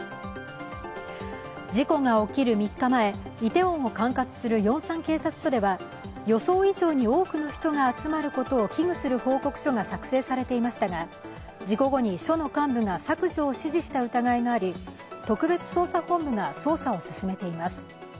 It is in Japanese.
事故が起きる３日前イテウォンを管轄するヨンサン警察署では、予想以上に多くの人が集まることを危惧する報告書が作成されていましたが、事故後に署の幹部が削除を指示した疑いがあり特別捜査本部が捜査を進めています。